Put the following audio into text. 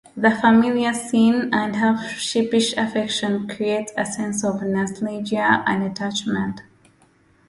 The familiar scene and half-sheepish affection create a sense of nostalgia and attachment.